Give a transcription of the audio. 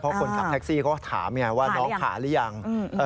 เพราะคนขับแท็กซี่เขาก็ถามไงว่าน้องขาหรือยัง